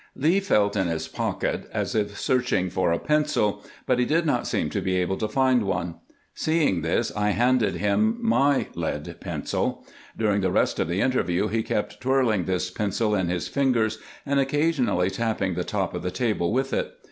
Lee felt in his pocket as if searching for a pencil, but he did not seem to be able to find one. Seeing this, I handed him my lead pencil. During the rest of the interview he kept twirling this pencil in his fingers and occasionally tapping the top of the table with it.